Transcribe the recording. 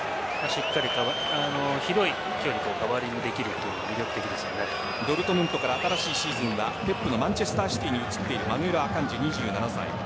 しっかり広い距離感でカバーリングできるのがドルトムントから新しいシーズンはマンチェスター・シティに移っているアカンジ、２７歳。